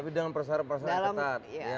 tapi dengan persara persara ketat